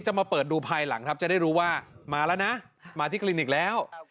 มาเปิดดูภายหลังครับจะได้รู้ว่ามาแล้วนะมาที่คลินิกแล้ว